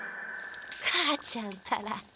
母ちゃんったら。